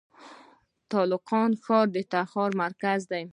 د تالقان ښار د تخار مرکز دی